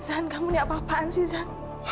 zan kamu ini apa apaan sih zan